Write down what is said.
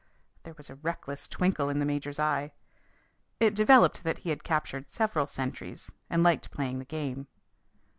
There was a reckless twinkle in the major's eye. It developed that he had captured several sentries and liked playing the game.